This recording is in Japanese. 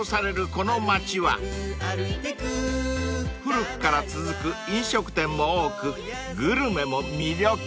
この街は古くから続く飲食店も多くグルメも魅力］